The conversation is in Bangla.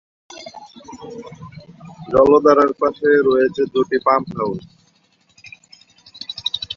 জলাধারের পাশে রয়েছে দুইটি পাম্প হাউস।